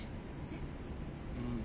えっ？